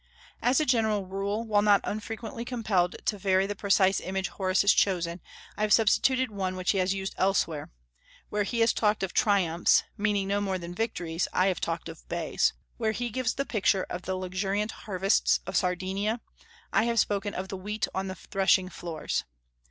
As a general rule, while not unfrequently compelled to vary the precise image Horace has chosen, I have substituted one which he has used elsewhere; where he has talked of triumphs, meaning no more than victories, I have talked of bays; where he gives the picture of the luxuriant harvests of Sardinia, I have spoken of the wheat on the threshing floors.